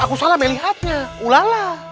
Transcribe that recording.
aku salah melihatnya ulala